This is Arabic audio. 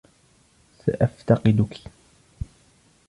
سأفتقدك.